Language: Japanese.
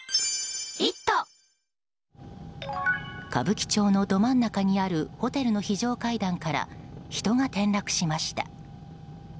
歌舞伎町のど真ん中にあるホテルの非常階段から人が転落しました。